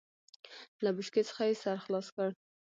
له بوشکې څخه يې سر خلاص کړ.